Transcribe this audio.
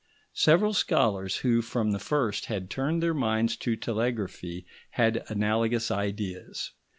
Several scholars who from the first had turned their minds to telegraphy, had analogous ideas.